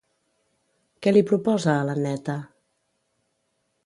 Què li proposa a l'Anneta?